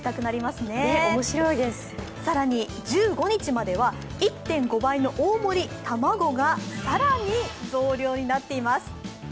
更に、１５日までは１．５倍の大盛たまごがさらに増量になっています。